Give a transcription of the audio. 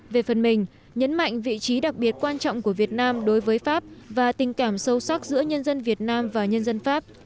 về phần mình nhấn mạnh vị trí đặc biệt quan trọng của việt nam đối với pháp và tình cảm sâu sắc giữa nhân dân việt nam và nhân dân pháp